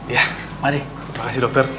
ya terima kasih dokter